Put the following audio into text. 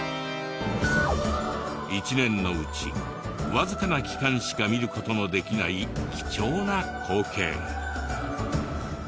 １年のうちわずかな期間しか見る事のできない貴重な光景。